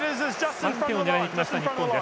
３点を狙いにいきました、日本。